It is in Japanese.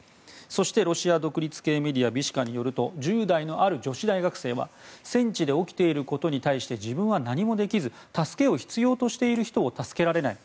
そして、ロシア独立系メディアビシカによりますと１０代のある女子大学生は戦地で起きていることに対して自分は何もできず助けを必要としている人を助けられない。